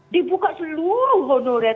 dibuka seluruh honorat